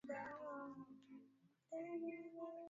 Kukabiliana na ugonjwa wa kuhara wanyama wapewe chanjo